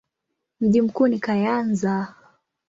Mji mkuu ni Kayanza.